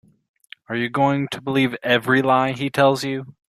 Are you going to believe every lie he tells you?